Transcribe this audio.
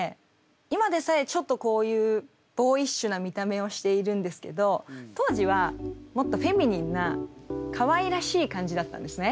今でさえちょっとこういうボーイッシュな見た目をしているんですけど当時はもっとフェミニンなかわいらしい感じだったんですね。